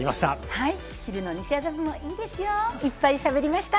はい、昼の西麻布もいいですよ、いっぱい喋りました。